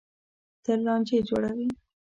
تل لانجې جوړوي.